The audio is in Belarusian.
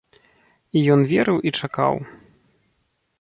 І ён верыў і чакаў.